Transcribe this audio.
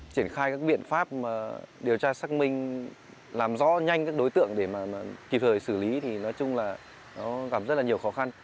triển khai các biện pháp điều tra xác minh làm rõ nhanh các đối tượng để kịp thời xử lý thì nói chung là nó gặp rất là nhiều khó khăn